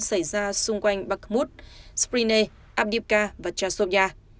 xảy ra xung quanh bakhmut sprinne abdiivka và chasovia